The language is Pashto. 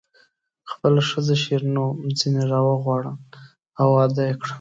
خپله ښځه شیرینو ځنې راوغواړه او واده یې کړه.